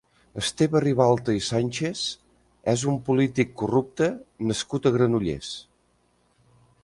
Esteve Ribalta i Sánchez és un polític corrupte nascut a Granollers.